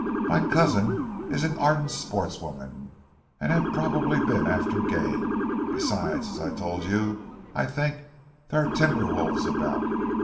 "My cousin is an ardent sportswoman, and had probably been after game. Besides, as I told you, I think, there are timber wolves about.